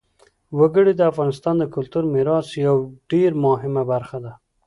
وګړي د افغانستان د کلتوري میراث یوه ډېره مهمه برخه ده.